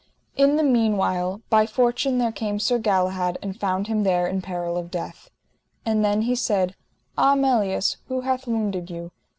In the meanwhile by fortune there came Sir Galahad and found him there in peril of death. And then he said: Ah Melias, who hath wounded you?